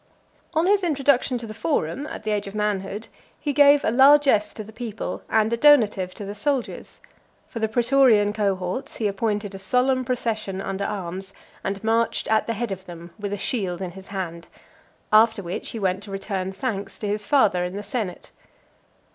On his introduction into the Forum, at the age of manhood, he gave a largess to the people and a donative to the soldiers: for the pretorian cohorts, he appointed a solemn procession under arms, and marched at the head of them with a shield in his hand; after which he went to return thanks to his father in the senate.